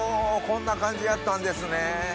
こんな感じやったんですね。